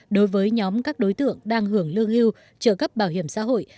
đối với nhóm các đối tượng đang hưởng lương hưu trợ cấp bảo hiểm xã hội